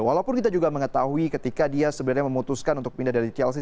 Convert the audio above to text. walaupun kita juga mengetahui ketika dia sebenarnya memutuskan untuk pindah dari chelsea